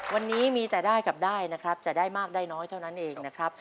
วันนี้มีแต่ได้กับได้นะครับจะได้มากได้น้อยเท่านั้นเองนะครับ